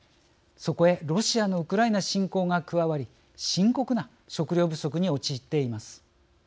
そこへロシアのウクライナ侵攻が加わり深刻な食料不足に陥っています。